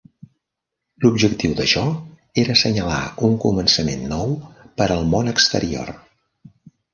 L'objectiu d'això era senyalar un començament nou per al món exterior.